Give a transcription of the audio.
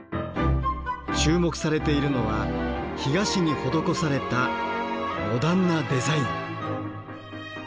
注目されているのは干菓子に施されたモダンなデザイン。